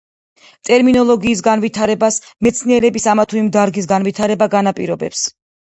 ტერმინოლოგიის განვითარებას მეცნიერების ამა თუ იმ დარგის განვითარება განაპირობებს.